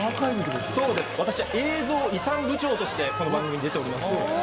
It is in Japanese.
私、映像遺産部長として、この番組に出ております。